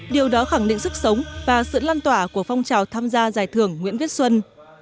điều đó khẳng định sức sống và sự lan tỏa của phong trào tham gia giải thưởng nguyễn viết xuân